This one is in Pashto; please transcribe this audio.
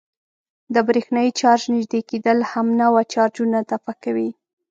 د برېښنايي چارج نژدې کېدل همنوع چارجونه دفع کوي.